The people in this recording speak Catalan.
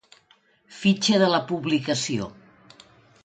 Fitxa de la Publicació.